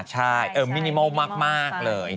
เป็นจั่ว๓เหลี่ยมอย่างงี้แค่นั้นเองนะนิ่งเป็นโพสต์โมเดิร์นเลย